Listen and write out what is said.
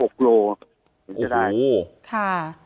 โอ้โหค่ะ